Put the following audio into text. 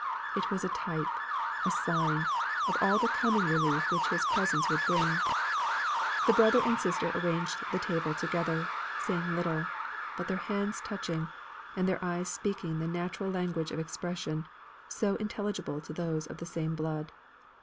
It was a type, a sign, of all the coming relief which his presence would bring. The brother and sister arranged the table together, saying little, but their hands touching, and their eyes speaking the natural language of expression, so intelligible to those of the same blood.